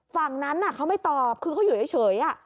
ฝั่งนั้นเขาไม่ตอบคือเขาอยู่เฉย